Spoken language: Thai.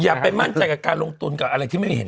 อย่าไปมั่นใจกับการลงทุนกับอะไรที่ไม่เห็น